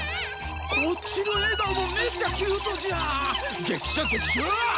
こっちの笑顔もめちゃキュートじゃん激写激写！